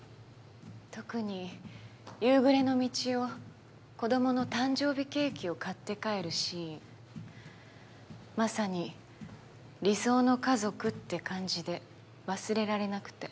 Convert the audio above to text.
特に夕暮れの道を子どもの誕生日ケーキを買って帰るシーンまさに理想の家族って感じで忘れられなくて。